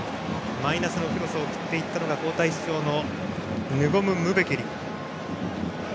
マイナスのクロスを振っていったのが交代出場のヌゴムムベケリ。